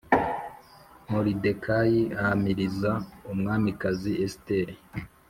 Moridekayi ahamiririza Umwamikazi Esiteri